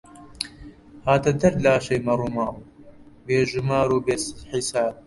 هاتە دەر لاشەی مەڕوماڵ، بێ ژومار و بێ حیساب